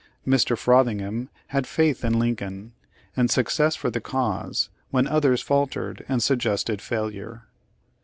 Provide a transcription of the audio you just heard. Mr. Frothingham had faith in Lincoln, and suc cess for the cause when others faltered, and sug gested failure.